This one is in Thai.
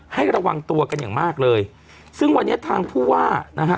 ให้ระวังตัวกันอย่างมากเลยซึ่งวันนี้ทางผู้ว่านะฮะ